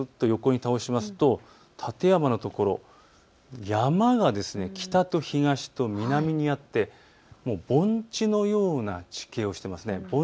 館山のところ、山が北と東と南にあって盆地のような地形をしています。